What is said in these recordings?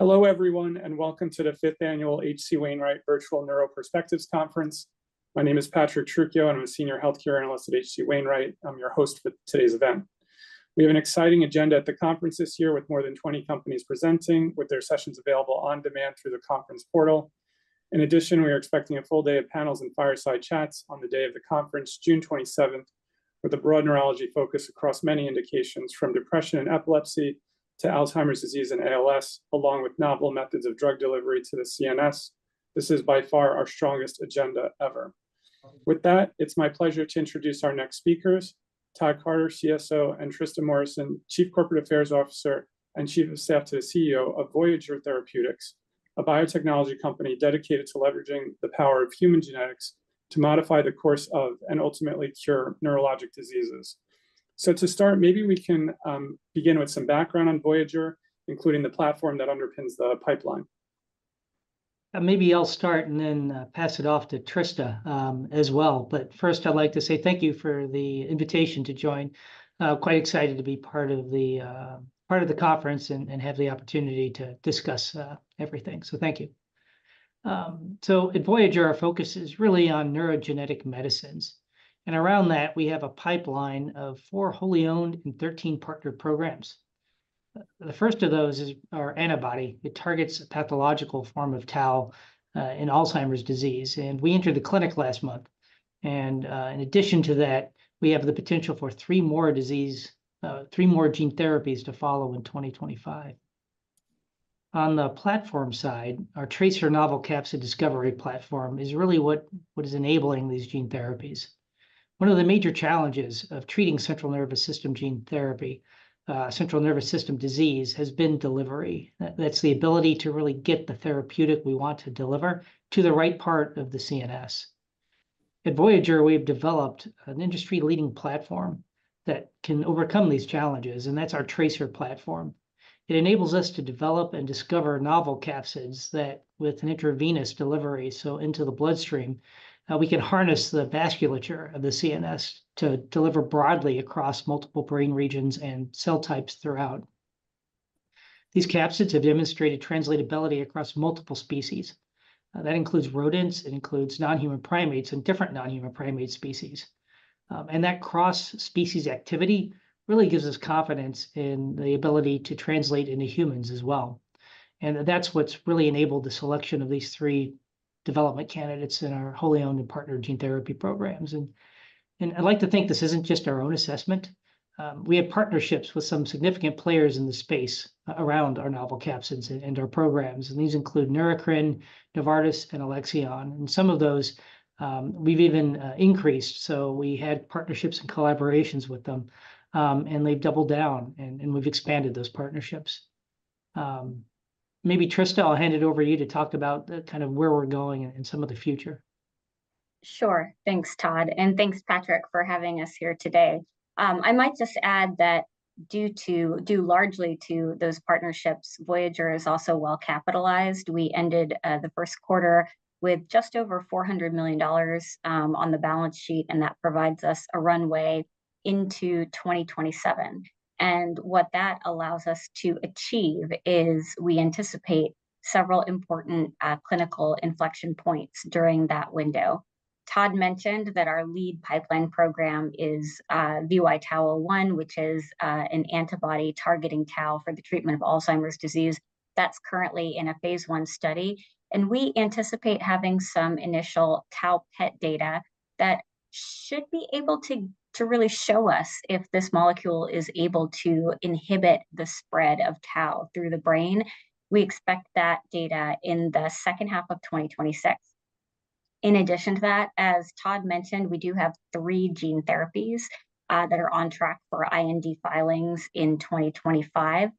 Hello, everyone, and welcome to the fifth annual H.C. Wainwright Virtual Neuro Perspectives Conference. My name is Patrick Trucchio, and I'm a senior healthcare analyst at H.C. Wainwright. I'm your host for today's event. We have an exciting agenda at the conference this year, with more than 20 companies presenting, with their sessions available on demand through the conference portal. In addition, we are expecting a full day of panels and fireside chats on the day of the conference, June 27th, with a broad neurology focus across many indications, from depression and epilepsy to Alzheimer's disease and ALS, along with novel methods of drug delivery to the CNS. This is by far our strongest agenda ever. With that, it's my pleasure to introduce our next speakers, Todd Carter, CSO, and Trista Morrison, Chief Corporate Affairs Officer and Chief of Staff to the CEO of Voyager Therapeutics, a biotechnology company dedicated to leveraging the power of human genetics to modify the course of, and ultimately cure, neurologic diseases. To start, maybe we can begin with some background on Voyager, including the platform that underpins the pipeline. Maybe I'll start and then pass it off to Trista, as well. But first, I'd like to say thank you for the invitation to join. Quite excited to be part of the conference and have the opportunity to discuss everything, so thank you. So at Voyager, our focus is really on neurogenetic medicines, and around that, we have a pipeline of four wholly owned and 13 partnered programs. The first of those is our antibody. It targets a pathological form of tau in Alzheimer's disease, and we entered the clinic last month. In addition to that, we have the potential for three more gene therapies to follow in 2025. On the platform side, our TRACER novel capsid discovery platform is really what is enabling these gene therapies. One of the major challenges of treating central nervous system gene therapy, central nervous system disease, has been delivery. That's the ability to really get the therapeutic we want to deliver to the right part of the CNS. At Voyager, we've developed an industry-leading platform that can overcome these challenges, and that's our TRACER platform. It enables us to develop and discover novel capsids that, with an intravenous delivery, so into the bloodstream, we can harness the vasculature of the CNS to deliver broadly across multiple brain regions and cell types throughout. These capsids have demonstrated translatability across multiple species, that includes rodents, it includes non-human primates and different non-human primate species. And that cross-species activity really gives us confidence in the ability to translate into humans as well, and that's what's really enabled the selection of these three development candidates in our wholly owned and partnered gene therapy programs. And I'd like to think this isn't just our own assessment. We have partnerships with some significant players in the space, around our novel capsids and our programs, and these include Neurocrine, Novartis, and Alexion, and some of those, we've even increased. So we had partnerships and collaborations with them, and they've doubled down, and we've expanded those partnerships. Maybe Trista, I'll hand it over to you to talk about the kind of where we're going and some of the future. Sure. Thanks, Todd, and thanks, Patrick, for having us here today. I might just add that due to, due largely to those partnerships, Voyager is also well capitalized. We ended the Q1 with just over $400 million on the balance sheet, and that provides us a runway into 2027. And what that allows us to achieve is we anticipate several important clinical inflection points during that window. Todd mentioned that our lead pipeline program is VY-TAU01, which is an antibody targeting tau for the treatment of Alzheimer's disease. That's currently in a phase 1 study, and we anticipate having some initial tau PET data that should be able to, to really show us if this molecule is able to inhibit the spread of tau through the brain. We expect that data in the second half of 2026. In addition to that, as Todd mentioned, we do have three gene therapies that are on track for IND filings in 2025.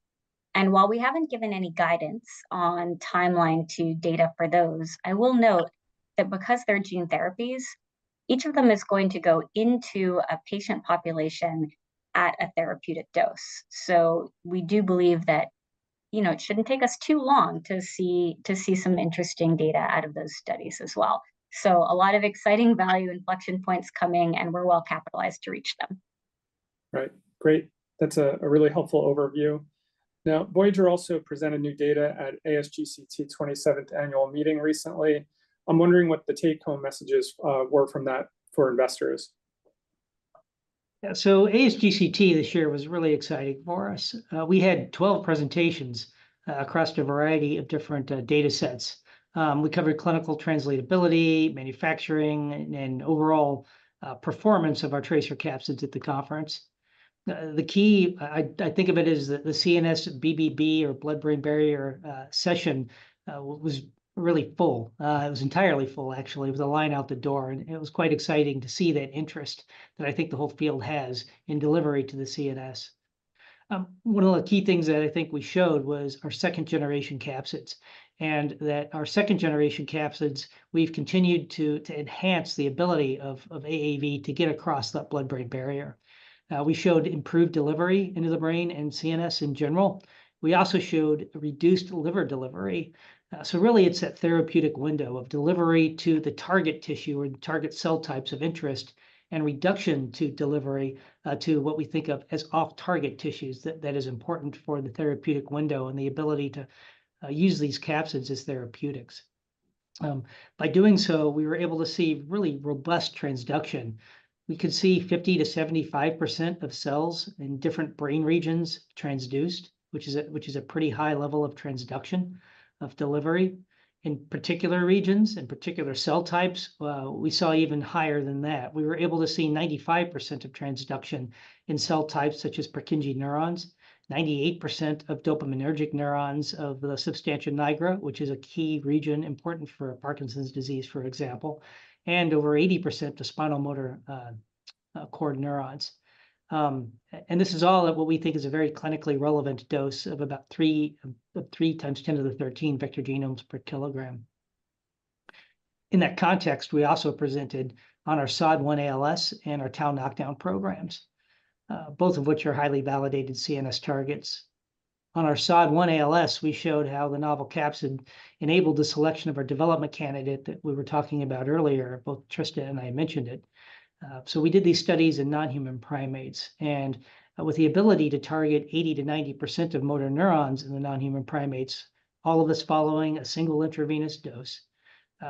And while we haven't given any guidance on timeline to data for those, I will note that because they're gene therapies, each of them is going to go into a patient population at a therapeutic dose. So we do believe that, you know, it shouldn't take us too long to see, to see some interesting data out of those studies as well. So a lot of exciting value inflection points coming, and we're well capitalized to reach them. Right. Great. That's a really helpful overview. Now, Voyager also presented new data at ASGCT 27th annual meeting recently. I'm wondering what the take-home messages were from that for investors. Yeah, so ASGCT this year was really exciting for us. We had 12 presentations across a variety of different datasets. We covered clinical translatability, manufacturing, and overall performance of our TRACER capsids at the conference. The key, I think of it as the CNS BBB, or blood-brain barrier, session was really full. It was entirely full, actually. It was a line out the door, and it was quite exciting to see that interest that I think the whole field has in delivery to the CNS. One of the key things that I think we showed was our second-generation capsids, and that our second-generation capsids, we've continued to enhance the ability of AAV to get across that blood-brain barrier. We showed improved delivery into the brain and CNS in general. We also showed a reduced liver delivery. So really, it's that therapeutic window of delivery to the target tissue or the target cell types of interest, and reduction to delivery to what we think of as off-target tissues that is important for the therapeutic window and the ability to use these capsids as therapeutics. By doing so, we were able to see really robust transduction. We could see 50%-75% of cells in different brain regions transduced, which is a pretty high level of transduction, of delivery. In particular regions, in particular cell types, we saw even higher than that. We were able to see 95% transduction in cell types such as Purkinje neurons, 98% of dopaminergic neurons of the substantia nigra, which is a key region important for Parkinson's disease, for example, and over 80% to spinal motor cord neurons. And this is all at what we think is a very clinically relevant dose of about 3 × 10^13 vector genomes per kilogram. In that context, we also presented on our SOD1 ALS and our tau knockdown programs, both of which are highly validated CNS targets. On our SOD1 ALS, we showed how the novel capsid enabled the selection of our development candidate that we were talking about earlier, both Trista and I mentioned it. So we did these studies in non-human primates, and with the ability to target 80%-90% of motor neurons in the non-human primates, all of this following a single intravenous dose,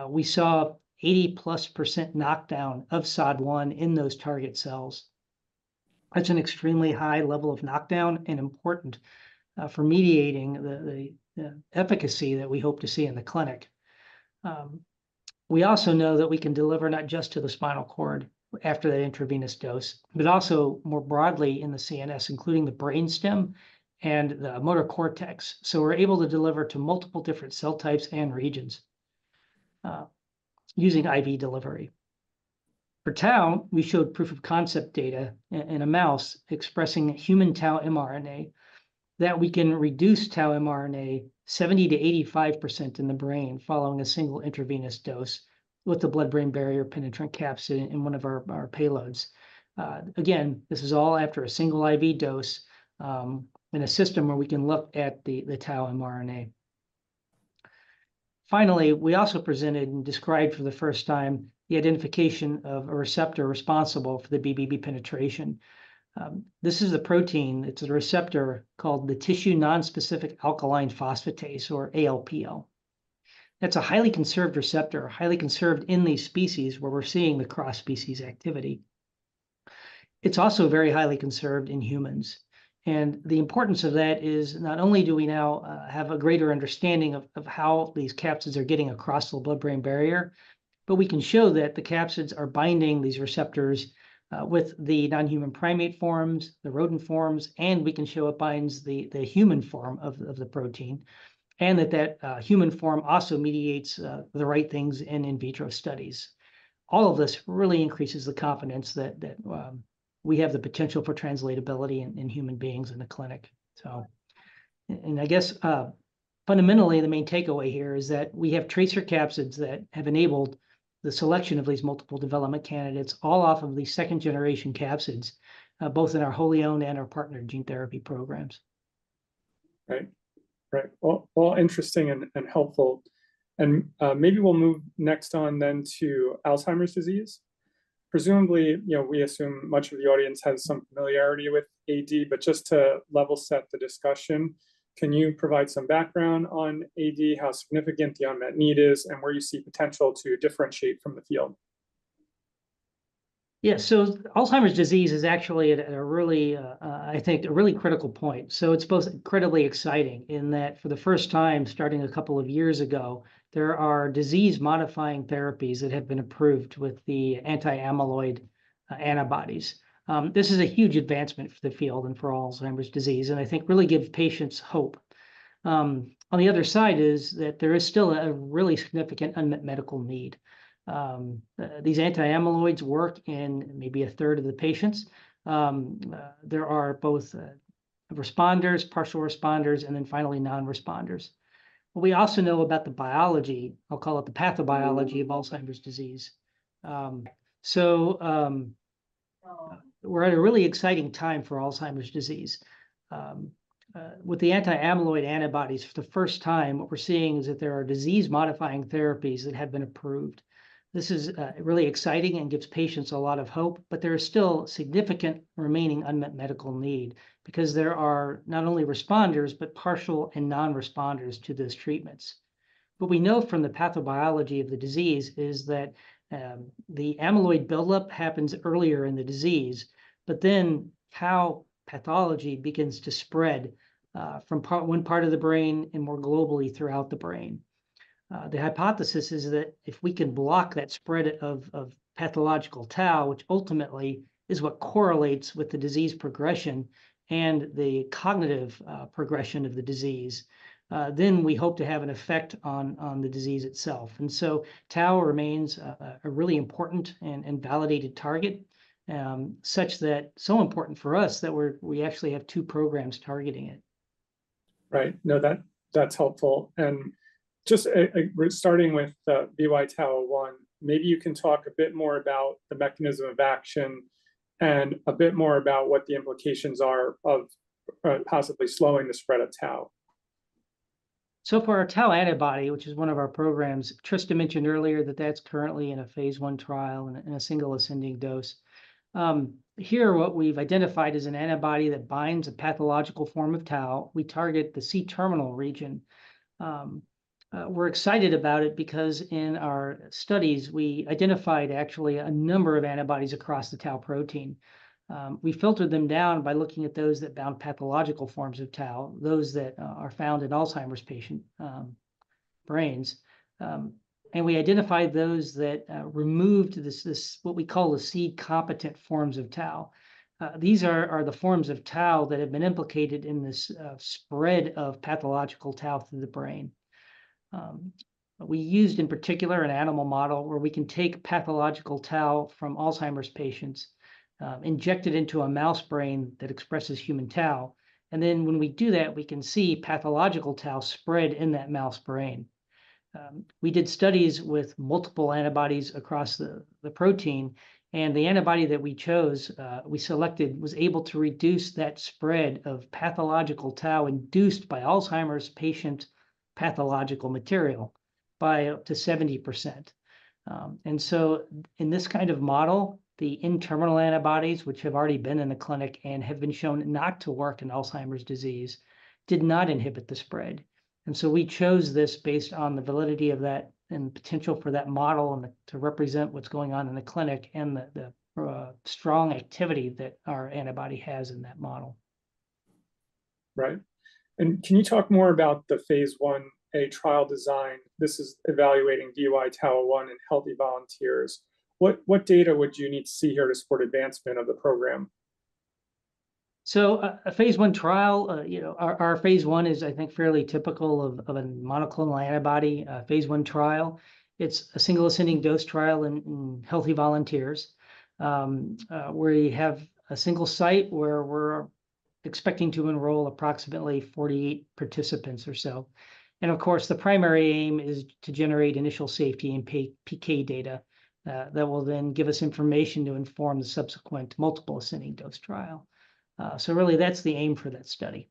we saw 80+% knockdown of SOD1 in those target cells. That's an extremely high level of knockdown, and important for mediating the efficacy that we hope to see in the clinic. We also know that we can deliver not just to the spinal cord after the intravenous dose, but also more broadly in the CNS, including the brain stem and the motor cortex. So we're able to deliver to multiple different cell types and regions using IV delivery. For tau, we showed proof-of-concept data in a mouse expressing human tau mRNA, that we can reduce tau mRNA 70%-85% in the brain following a single intravenous dose, with the blood-brain barrier-penetrant capsid in one of our payloads. Again, this is all after a single IV dose, in a system where we can look at the tau mRNA. Finally, we also presented and described for the first time, the identification of a receptor responsible for the BBB penetration. This is a protein, it's a receptor called the tissue-nonspecific alkaline phosphatase, or ALPL. That's a highly conserved receptor, highly conserved in these species, where we're seeing the cross-species activity. It's also very highly conserved in humans, and the importance of that is, not only do we now have a greater understanding of how these capsids are getting across the blood-brain barrier, but we can show that the capsids are binding these receptors with the non-human primate forms, the rodent forms, and we can show it binds the human form of the protein, and that human form also mediates the right things in in vitro studies. All of this really increases the confidence that we have the potential for translatability in human beings in the clinic. So, I guess, fundamentally, the main takeaway here is that we have TRACER capsids that have enabled the selection of these multiple development candidates, all off of these second-generation capsids, both in our wholly owned and our partner gene therapy programs. Right. Right, all, all interesting and, and helpful. And, maybe we'll move next on then to Alzheimer's disease. Presumably, you know, we assume much of the audience has some familiarity with AD, but just to level set the discussion, can you provide some background on AD, how significant the unmet need is, and where you see potential to differentiate from the field? Yeah. So Alzheimer's disease is actually at a really, I think, a really critical point. So it's both incredibly exciting, in that, for the first time, starting a couple of years ago, there are disease-modifying therapies that have been approved with the anti-amyloid antibodies. This is a huge advancement for the field and for Alzheimer's disease, and I think really give patients hope. On the other side is, that there is still a really significant unmet medical need. These anti-amyloids work in maybe a third of the patients. There are both responders, partial responders, and then finally, non-responders. But we also know about the biology, I'll call it the pathobiology of Alzheimer's disease. So, we're at a really exciting time for Alzheimer's disease. With the anti-amyloid antibodies, for the first time, what we're seeing is that there are disease-modifying therapies that have been approved. This is really exciting and gives patients a lot of hope, but there is still significant remaining unmet medical need, because there are not only responders, but partial and non-responders to these treatments. What we know from the pathobiology of the disease is that the amyloid buildup happens earlier in the disease, but then how pathology begins to spread from one part of the brain and more globally throughout the brain. The hypothesis is that if we can block that spread of pathological tau, which ultimately is what correlates with the disease progression and the cognitive progression of the disease, then we hope to have an effect on the disease itself. Tau remains a really important and validated target, such that so important for us, that we actually have two programs targeting it. Right. No, that, that's helpful. And just starting with VY-TAU01, maybe you can talk a bit more about the mechanism of action, and a bit more about what the implications are of possibly slowing the spread of tau.... So for our tau antibody, which is one of our programs, Trista mentioned earlier that that's currently in a phase 1 trial in a single ascending dose. Here, what we've identified is an antibody that binds a pathological form of tau. We target the C-terminal region. We're excited about it, because in our studies, we identified actually a number of antibodies across the tau protein. We filtered them down by looking at those that bound pathological forms of tau, those that are found in Alzheimer's patient brains. And we identified those that removed this what we call the seed-competent forms of tau. These are the forms of tau that have been implicated in this spread of pathological tau through the brain. We used, in particular, an animal model, where we can take pathological tau from Alzheimer's patients, inject it into a mouse brain that expresses human tau, and then when we do that, we can see pathological tau spread in that mouse brain. We did studies with multiple antibodies across the protein, and the antibody that we chose, we selected, was able to reduce that spread of pathological tau induced by Alzheimer's patient pathological material by up to 70%. And so in this kind of model, the N-terminal antibodies, which have already been in the clinic and have been shown not to work in Alzheimer's disease, did not inhibit the spread. And so we chose this based on the validity of that, and potential for that model, and to represent what's going on in the clinic, and the strong activity that our antibody has in that model. Right. Can you talk more about the phase 1a trial design? This is evaluating VY-TAU01 in healthy volunteers. What data would you need to see here to support advancement of the program? So a phase 1 trial, you know, our phase 1 is, I think, fairly typical of a monoclonal antibody phase 1 trial. It's a single ascending dose trial in healthy volunteers. We have a single site where we're expecting to enroll approximately 48 participants or so. And of course, the primary aim is to generate initial safety and PK data that will then give us information to inform the subsequent multiple ascending dose trial. So really, that's the aim for that study.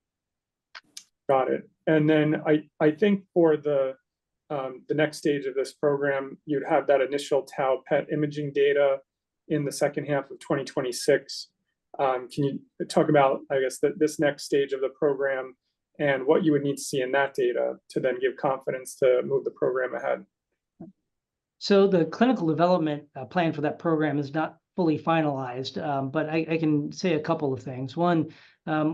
Got it. And then I think for the next stage of this program, you'd have that initial Tau PET imaging data in the second half of 2026. Can you talk about, I guess, this next stage of the program, and what you would need to see in that data to then give confidence to move the program ahead? So the clinical development plan for that program is not fully finalized. But I can say a couple of things. One,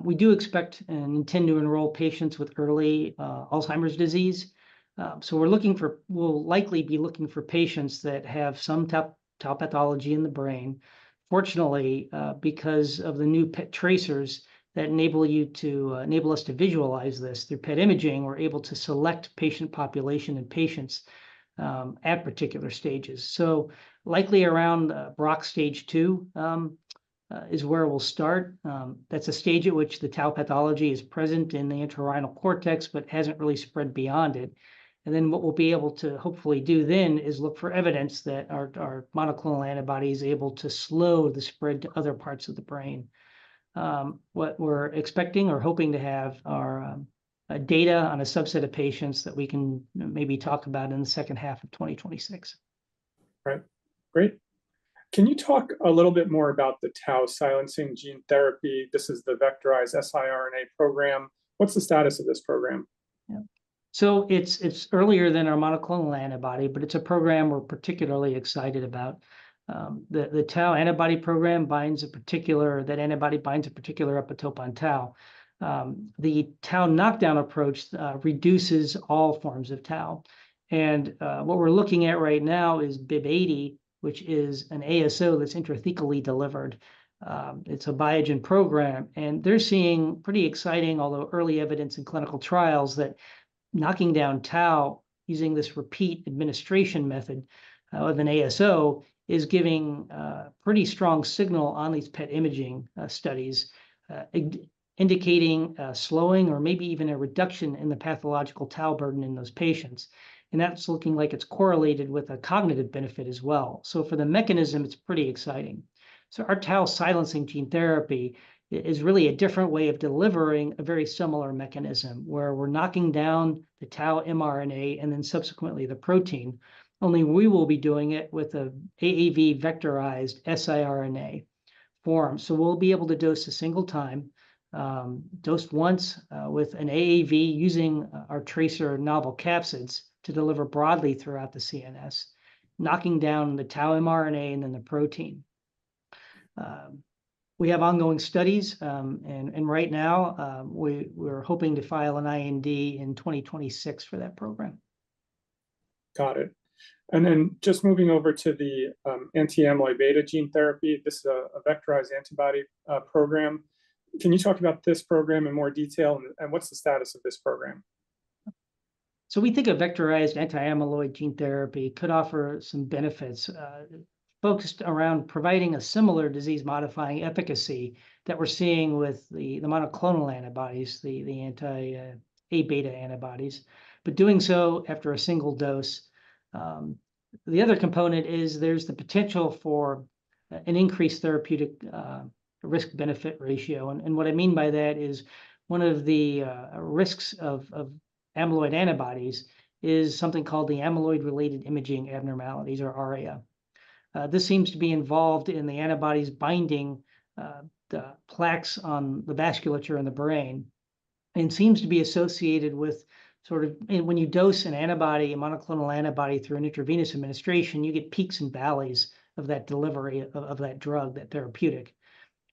we do expect and intend to enroll patients with early Alzheimer's disease. So we're looking for... We'll likely be looking for patients that have some tau pathology in the brain. Fortunately, because of the new PET TRACERs that enable us to visualize this through PET imaging, we're able to select patient population in patients at particular stages. So likely around Braak stage 2 is where we'll start. That's a stage at which the tau pathology is present in the entorhinal cortex, but hasn't really spread beyond it. And then what we'll be able to hopefully do then is look for evidence that our monoclonal antibody is able to slow the spread to other parts of the brain. What we're expecting or hoping to have are data on a subset of patients that we can maybe talk about in the second half of 2026. Right. Great. Can you talk a little bit more about the tau silencing gene therapy? This is the vectorized siRNA program. What's the status of this program? Yeah. So it's earlier than our monoclonal antibody, but it's a program we're particularly excited about. The tau antibody program binds a particular... That antibody binds a particular epitope on tau. The tau knockdown approach reduces all forms of tau, and what we're looking at right now is BIIB080, which is an ASO that's intrathecally delivered. It's a Biogen program, and they're seeing pretty exciting, although early evidence in clinical trials, that knocking down tau, using this repeat administration method of an ASO, is giving a pretty strong signal on these PET imaging studies, indicating a slowing or maybe even a reduction in the pathological tau burden in those patients. And that's looking like it's correlated with a cognitive benefit as well, so for the mechanism, it's pretty exciting. So our tau silencing gene therapy is really a different way of delivering a very similar mechanism, where we're knocking down the tau mRNA, and then subsequently, the protein, only we will be doing it with an AAV vectorized siRNA form. So we'll be able to dose a single time, dose once, with an AAV using our TRACER novel capsids to deliver broadly throughout the CNS, knocking down the tau mRNA and then the protein. We have ongoing studies, and right now, we're hoping to file an IND in 2026 for that program. Got it. And then just moving over to the anti-amyloid beta gene therapy. This is a vectorized antibody program. Can you talk about this program in more detail, and what's the status of this program? So we think a vectorized anti-amyloid gene therapy could offer some benefits, focused around providing a similar disease-modifying efficacy that we're seeing with the monoclonal antibodies, the anti-Aβ antibodies, but doing so after a single dose. The other component is there's the potential for an increased therapeutic risk-benefit ratio, and what I mean by that is, one of the risks of amyloid antibodies is something called the amyloid-related imaging abnormalities, or ARIA. This seems to be involved in the antibodies binding the plaques on the vasculature in the brain, and seems to be associated with and when you dose an antibody, a monoclonal antibody, through an intravenous administration, you get peaks and valleys of that delivery of that drug, that therapeutic.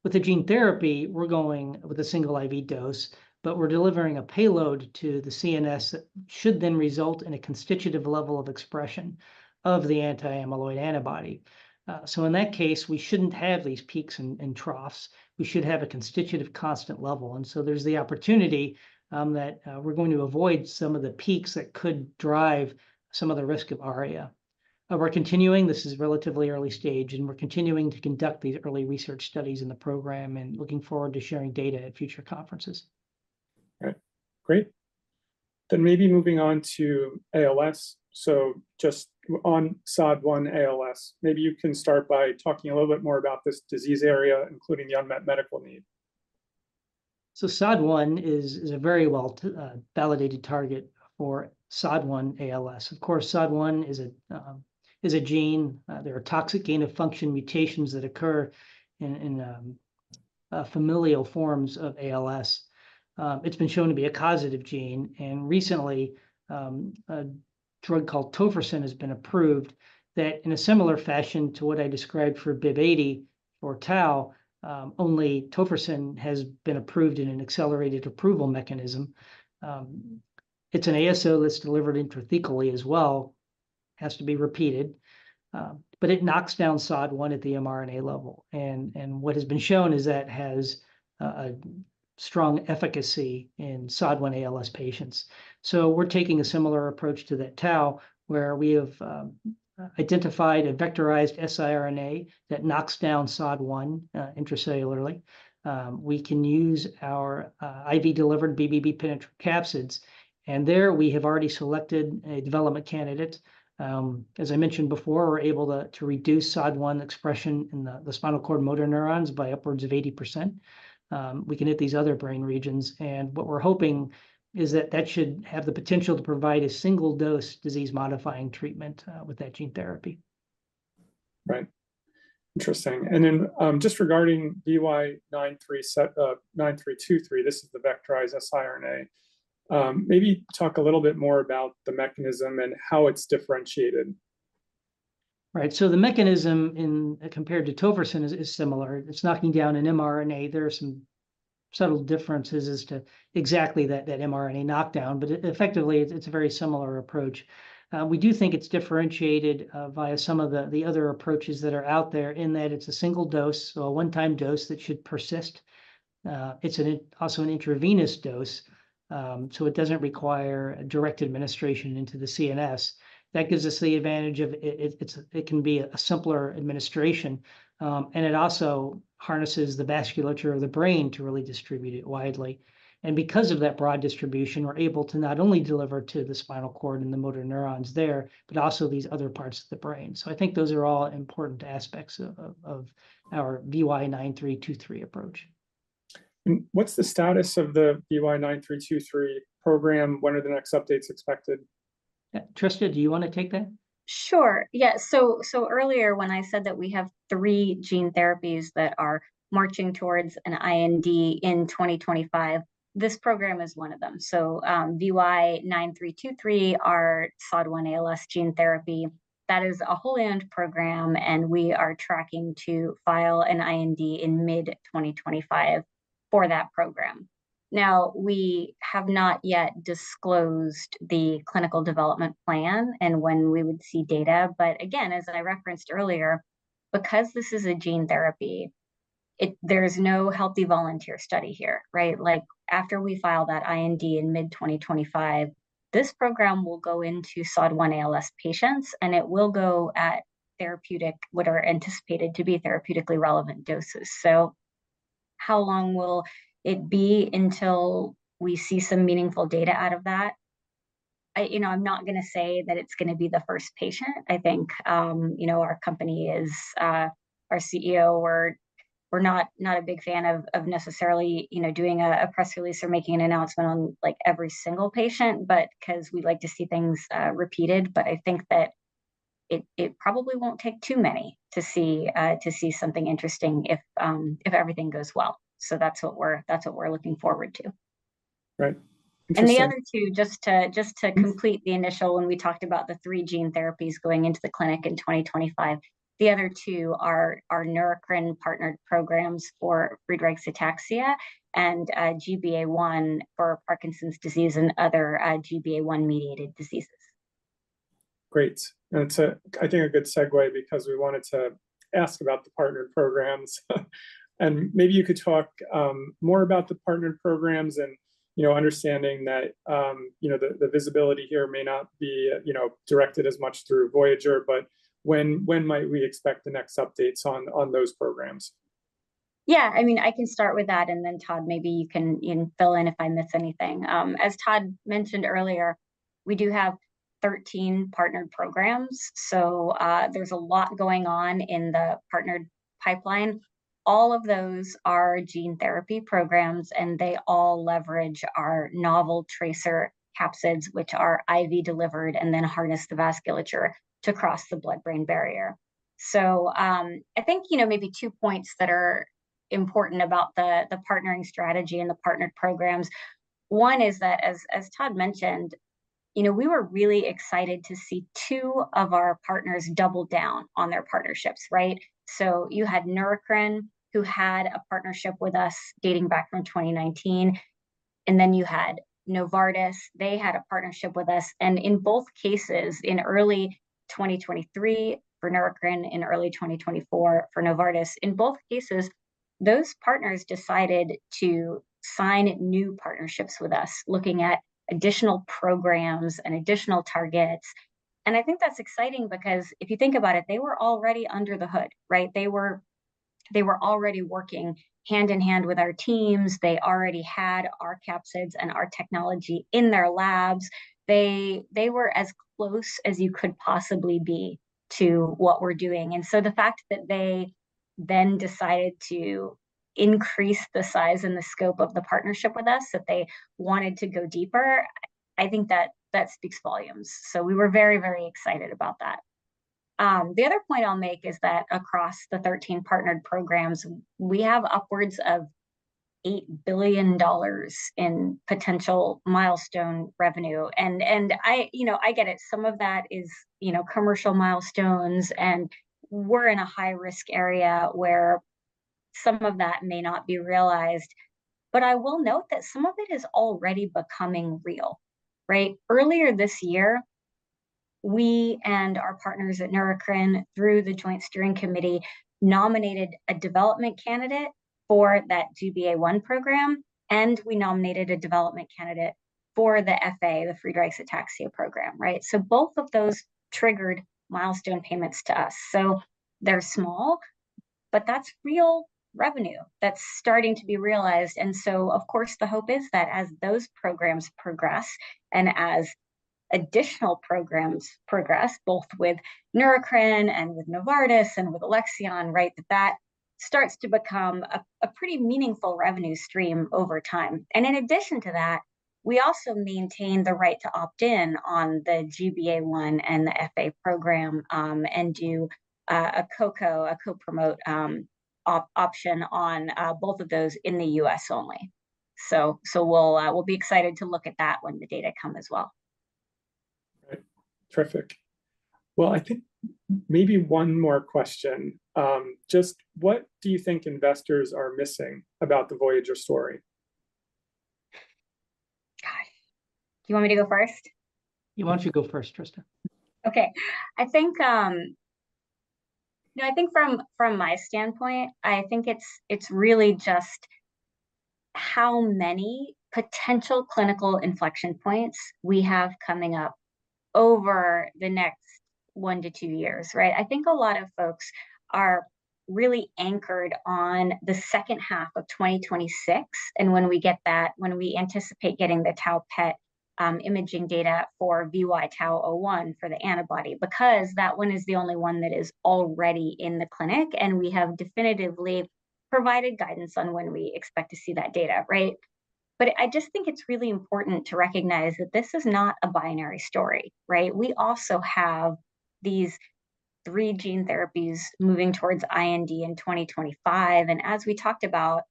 With the gene therapy, we're going with a single IV dose, but we're delivering a payload to the CNS, that should then result in a constitutive level of expression of the anti-amyloid antibody. So in that case, we shouldn't have these peaks and troughs. We should have a constitutive constant level, and so there's the opportunity that we're going to avoid some of the peaks that could drive some of the risk of ARIA. But we're continuing... This is relatively early stage, and we're continuing to conduct these early research studies in the program, and looking forward to sharing data at future conferences. Okay, great. Then maybe moving on to ALS, so just on SOD1 ALS. Maybe you can start by talking a little bit more about this disease area, including the unmet medical need. So SOD1 is a very well validated target for SOD1 ALS. Of course, SOD1 is a gene. There are toxic gain-of-function mutations that occur in familial forms of ALS. It's been shown to be a causative gene, and recently, a drug called tofersen has been approved that, in a similar fashion to what I described for BIIB080 or tau, only tofersen has been approved in an accelerated approval mechanism. It's an ASO that's delivered intrathecally as well. Has to be repeated, but it knocks down SOD1 at the mRNA level, and what has been shown is that has a strong efficacy in SOD1 ALS patients. So we're taking a similar approach to that tau, where we have identified a vectorized siRNA that knocks down SOD1 intracellularly. We can use our IV-delivered BBB-penetrant capsids, and there, we have already selected a development candidate. As I mentioned before, we're able to reduce SOD1 expression in the spinal cord motor neurons by upwards of 80%. We can hit these other brain regions, and what we're hoping is that that should have the potential to provide a single-dose disease-modifying treatment with that gene therapy. Right. Interesting, and then, just regarding VY-9323, this is the vectorized siRNA, maybe talk a little bit more about the mechanism and how it's differentiated. Right, so the mechanism in compared to tofersen is similar. It's knocking down an mRNA. There are some subtle differences as to exactly that mRNA knockdown, but effectively, it's a very similar approach. We do think it's differentiated via some of the other approaches that are out there, in that it's a single dose, so a one-time dose that should persist. It's also an intravenous dose, so it doesn't require a direct administration into the CNS. That gives us the advantage of it can be a simpler administration, and it also harnesses the vasculature of the brain to really distribute it widely. And because of that broad distribution, we're able to not only deliver to the spinal cord and the motor neurons there, but also these other parts of the brain. So I think those are all important aspects of our VY-9323 approach. What's the status of the VY-9323 program? When are the next updates expected? Yeah, Trista, do you wanna take that? Sure, yeah. So earlier, when I said that we have three gene therapies that are marching towards an IND in 2025, this program is one of them. So, VY-9323, our SOD1 ALS gene therapy, that is a wholly owned program, and we are tracking to file an IND in mid-2025 for that program. Now, we have not yet disclosed the clinical development plan and when we would see data, but again, as I referenced earlier, because this is a gene therapy, it- there's no healthy volunteer study here, right? Like, after we file that IND in mid-2025, this program will go into SOD1 ALS patients, and it will go at therapeutic- what are anticipated to be therapeutically relevant doses. So how long will it be until we see some meaningful data out of that? I... You know, I'm not gonna say that it's gonna be the first patient. I think, you know, our company is... Our CEO, we're not a big fan of necessarily, you know, doing a press release or making an announcement on, like, every single patient, but 'cause we like to see things repeated. But I think that it probably won't take too many to see something interesting, if everything goes well. So that's what we're looking forward to. Right. Interesting. The other two, just to complete the initial, when we talked about the three gene therapies going into the clinic in 2025, the other two are Neurocrine partnered programs for Friedreich's ataxia, and GBA1 for Parkinson's disease, and other GBA1-mediated diseases. Great, and it's a, I think, a good segue, because we wanted to ask about the partnered programs. And maybe you could talk more about the partnered programs and, you know, understanding that, you know, the, the visibility here may not be, you know, directed as much through Voyager, but when, when might we expect the next updates on, on those programs? Yeah, I mean, I can start with that, and then Todd, maybe you can, you know, fill in if I miss anything. As Todd mentioned earlier, we do have 13 partnered programs, so, there's a lot going on in the partnered pipeline. All of those are gene therapy programs, and they all leverage our novel TRACER capsids, which are IV delivered, and then harness the vasculature to cross the blood-brain barrier. So, I think, you know, maybe two points that are important about the partnering strategy and the partnered programs. One is that as Todd mentioned, you know, we were really excited to see two of our partners double down on their partnerships, right? So you had Neurocrine, who had a partnership with us dating back from 2019, and then you had Novartis. They had a partnership with us, and in both cases, in early 2023 for Neurocrine, in early 2024 for Novartis, in both cases, those partners decided to sign new partnerships with us, looking at additional programs and additional targets. And I think that's exciting because if you think about it, they were already under the hood, right? They were, they were already working hand-in-hand with our teams. They already had our capsids and our technology in their labs. They, they were as close as you could possibly be to what we're doing. And so the fact that they then decided to increase the size and the scope of the partnership with us, that they wanted to go deeper, I think that that speaks volumes. So we were very, very excited about that. The other point I'll make is that across the 13 partnered programs, we have upwards of $8 billion in potential milestone revenue. And I... You know, I get it. Some of that is, you know, commercial milestones, and we're in a high-risk area where some of that may not be realized, but I will note that some of it is already becoming real, right? Earlier this year, we and our partners at Neurocrine, through the Joint Steering Committee, nominated a development candidate for that GBA1 program, and we nominated a development candidate for the FA, the Friedreich's ataxia program, right? So both of those triggered milestone payments to us. So they're small, but that's real revenue that's starting to be realized. Of course, the hope is that as those programs progress and as additional programs progress, both with Neurocrine and with Novartis and with Alexion, right, that that starts to become a pretty meaningful revenue stream over time. And in addition to that, we also maintain the right to opt in on the GBA1 and the FA program, and do a co-promote option on both of those in the U.S. only. So we'll be excited to look at that when the data come as well. Right. Terrific. Well, I think maybe one more question. Just what do you think investors are missing about the Voyager story? Gosh, do you want me to go first? Yeah, why don't you go first, Trista? Okay. I think, No, I think from my standpoint, I think it's really just how many potential clinical inflection points we have coming up over the next 1 to 2 years, right? I think a lot of folks are really anchored on the second half of 2026, and when we get that, when we anticipate getting the tau PET imaging data for VY-TAU01, for the antibody, because that one is the only one that is already in the clinic, and we have definitively provided guidance on when we expect to see that data, right? But I just think it's really important to recognize that this is not a binary story, right? We also have these three gene therapies moving towards IND in 2025, and as we talked about,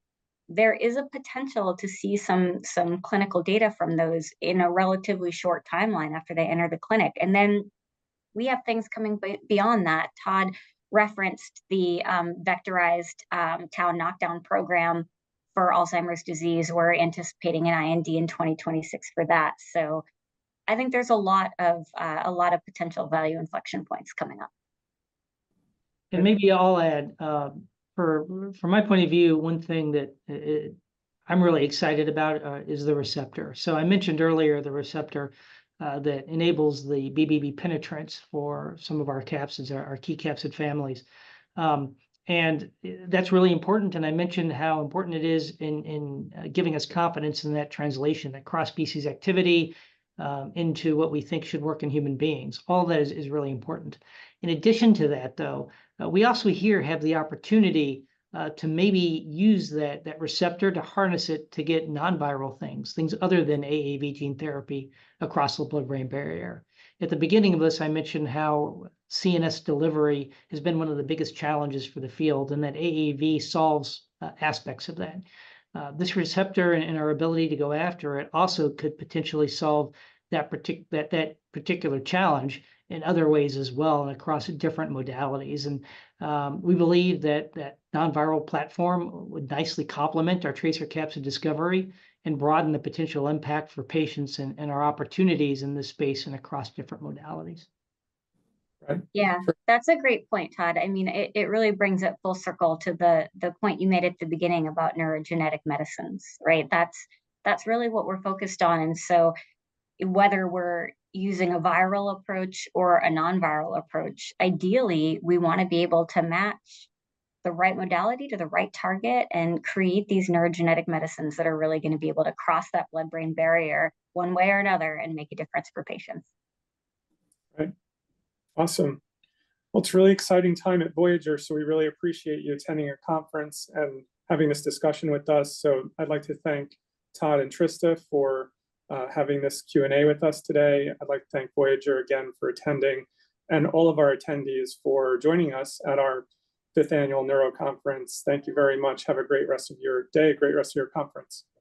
there is a potential to see some clinical data from those in a relatively short timeline after they enter the clinic. And then we have things coming beyond that. Todd referenced the vectorized tau knockdown program for Alzheimer’s disease. We're anticipating an IND in 2026 for that. So I think there's a lot of a lot of potential value inflection points coming up. And maybe I'll add, from my point of view, one thing that I'm really excited about is the receptor. So I mentioned earlier the receptor that enables the BBB penetrance for some of our capsids, our key capsid families. And that's really important, and I mentioned how important it is in giving us confidence in that translation, that cross-species activity into what we think should work in human beings. All that is really important. In addition to that, though, we also here have the opportunity to maybe use that receptor to harness it, to get non-viral things, things other than AAV gene therapy across the blood-brain barrier. At the beginning of this, I mentioned how CNS delivery has been one of the biggest challenges for the field, and that AAV solves aspects of that. This receptor and our ability to go after it also could potentially solve that particular challenge in other ways as well, and across different modalities. And, we believe that non-viral platform would nicely complement our TRACER capsid discovery and broaden the potential impact for patients and our opportunities in this space and across different modalities. Right. Yeah, that's a great point, Todd. I mean, it really brings it full circle to the point you made at the beginning about neurogenetic medicines, right? That's really what we're focused on. And so whether we're using a viral approach or a non-viral approach, ideally, we wanna be able to match the right modality to the right target and create these neurogenetic medicines that are really gonna be able to cross that blood-brain barrier one way or another and make a difference for patients. Right. Awesome. Well, it's a really exciting time at Voyager, so we really appreciate you attending our conference and having this discussion with us. I'd like to thank Todd and Trista for having this Q&A with us today. I'd like to thank Voyager again for attending, and all of our attendees for joining us at our fifth annual Neuro Conference. Thank you very much. Have a great rest of your day, a great rest of your conference. Thank you.